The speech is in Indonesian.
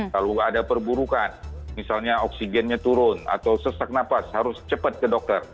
kalau ada perburukan misalnya oksigennya turun atau sesak nafas harus cepat ke dokter